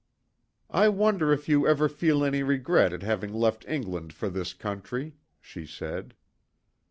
"I wonder if you ever feel any regret at having left England for this country," she said.